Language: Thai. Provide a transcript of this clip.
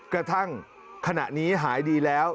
กระทั่งขณะนี้หายดีแล้ว